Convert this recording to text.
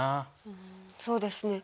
うんそうですね。